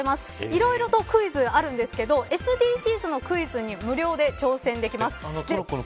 いろいろとクイズがあるんですがＳＤＧｓのクイズに無料で挑戦できます。